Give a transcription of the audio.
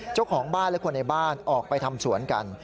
เจ้าของบ้านและคนในบ้านออกไปทำสวนกัน